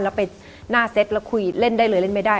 แล้วไปหน้าเซตแล้วคุยเล่นได้เลยเล่นไม่ได้